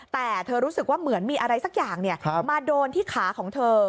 แต่เธอรู้สึกว่าเหมือนมีอะไรสักอย่างมาโดนที่ขาของเธอ